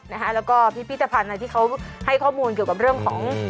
แล้วก็พิพิธภัณฑ์ที่เขาให้ข้อมูลเกี่ยวกับเรื่องของ